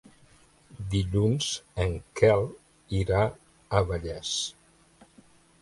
Dilluns en Quel irà a Vallés.